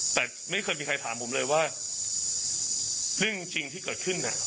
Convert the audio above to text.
แต่ไม่เคยมีใครถามผมเลยว่าเรื่องจริงที่เกิดขึ้น